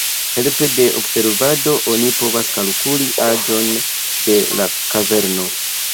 Helpe de observado oni povas kalkuli aĝon de la kaverno.